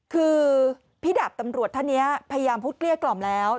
คือพี่ดาบตำรวจท่านนี้พยายามพูดเกลี้ยกล่อมแล้ว